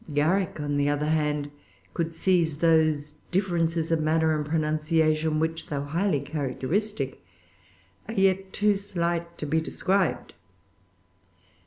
Garrick, on the other hand, could seize those differences of manner and pronunciation, which, though highly characteristic, are yet too slight to be described.